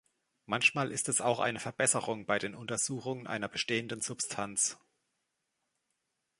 Manchmal ist es auch eine Verbesserung bei den Untersuchungen einer bestehenden Substanz.